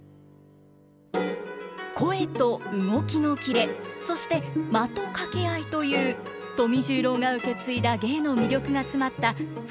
「声と動きのキレ」そして「間と掛け合い」という富十郎が受け継いだ芸の魅力が詰まった２つの演目をご覧ください。